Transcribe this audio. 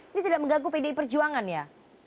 ini tidak mengganggu pdi perjuangan ya